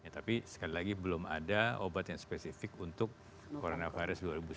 tapi sekali lagi belum ada obat yang spesifik untuk coronavirus dua ribu sembilan belas